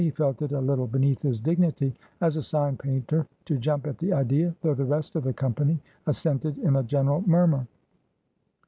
He felt it a little beneath his dignity as a sign painter to jump at the idea, though the rest of the company assented in a general murmur.